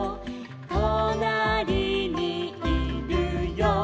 「となりにいるよ」